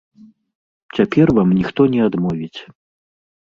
Цяпер вам ніхто не адмовіць.